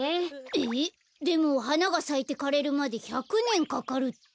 えっでもはながさいてかれるまで１００ねんかかるって。